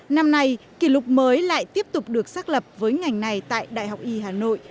năm nay kỷ lục mới lại tiếp tục được xác lập với ngành này tại đại học y hà nội